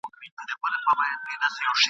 دا ځالۍ ده دبازانو !.